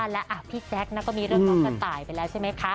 และพี่แจ๊คก็มีเรื่องน้องกระต่ายไปแล้วใช่ไหมคะ